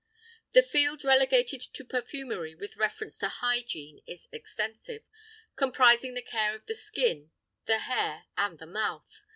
The field relegated to perfumery with reference to hygiene is extensive, comprising the care of the skin, the hair, and the mouth.